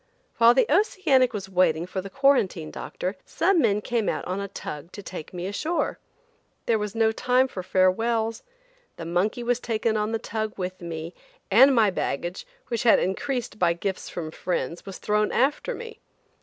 While the Oceanic was waiting for the quarantine doctor, some men came out on a tug to take me ashore. There was no time for farewells. The monkey was taken on the tug with me, and my baggage, which had increased by gifts from friends, was thrown after me.